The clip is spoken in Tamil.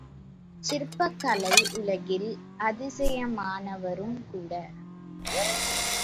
சிற்பக் கலை உலகில் அதிசயமானவரும் கூட!